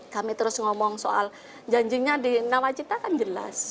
kami terus ngomong soal janjinya di nawacita kan jelas